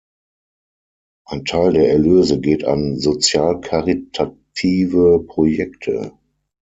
Ein Teil der Erlöse geht an sozial-karitative Projekte.